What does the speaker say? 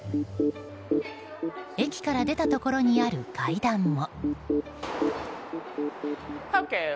駅から出たところにある階段も。